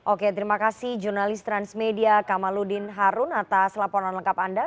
oke terima kasih jurnalis transmedia kamaludin harun atas laporan lengkap anda